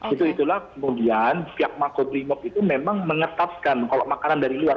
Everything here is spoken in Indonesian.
itu itulah kemudian pihak mako brimob itu memang mengetapkan kalau makanan dari luar